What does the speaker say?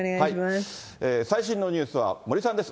最新のニュースは森さんです。